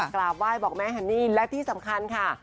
กราบไหว้บอกแม่ฮันนี่และที่สำคัญค่ะ